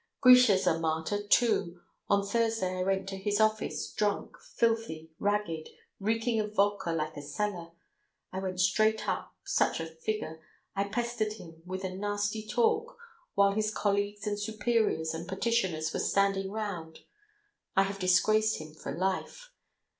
Grisha's a martyr, too. On Thursday I went to his office, drunk, filthy, ragged, reeking of vodka like a cellar ... I went straight up, such a figure, I pestered him with nasty talk, while his colleagues and superiors and petitioners were standing round. I have disgraced him for life.